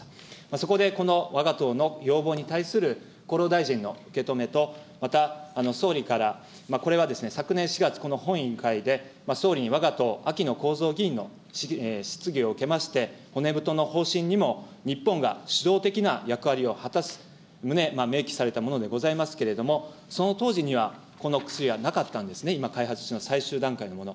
そこでこのわが党の要望に対する厚労大臣の受け止めと、また総理から、これは昨年４月、この本委員会で、総理にわが党秋野公造議員の質疑を受けまして、骨太の方針にも日本が主導的な役割を果たす旨、明記されたものでございますけれども、その当時には、この薬はなかったんですね、今、開発中の最終段階のもの。